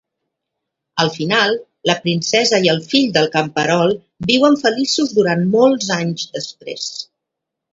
Al final, la princesa i el fill del camperol viuen feliços durant molts anys després.